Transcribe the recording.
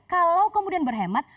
kalau kemudian berhemat